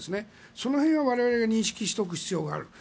その辺は我々が認識しておく必要がある。